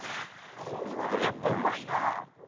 これはでもやっぱうまいな。